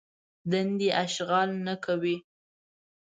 دندې اشغال نه کوي.